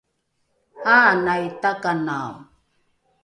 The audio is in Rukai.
aanai takanao